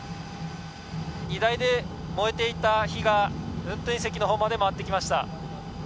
荷台で燃えていた火が運転席のほうまで回ってきました。